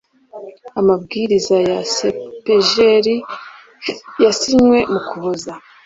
Amabwiriza ya cepgl yasinywe mu kuboza